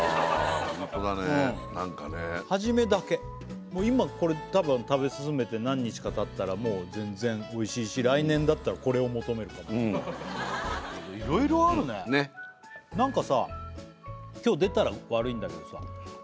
本当だねなんかね初めだけもう今これ多分食べ進めて何日かたったらもう全然美味しいし来年だったらこれを求めるかもいろいろあるねねっなんかさ今日出たら悪いんだけどさ